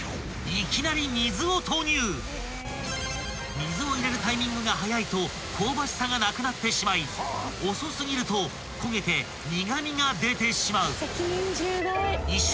［水を入れるタイミングが早いと香ばしさがなくなってしまい遅すぎると焦げて苦味が出てしまう］